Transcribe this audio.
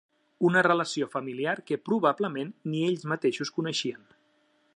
Una relació familiar que probablement ni ells mateixos coneixien.